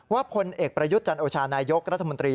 พลเอกประยุทธ์จันโอชานายกรัฐมนตรี